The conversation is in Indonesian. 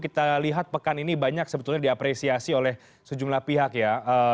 kita lihat pekan ini banyak sebetulnya diapresiasi oleh sejumlah pihak ya